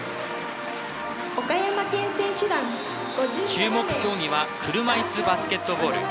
注目競技は車いすバスケットボール。